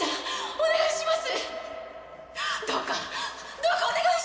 お願いします！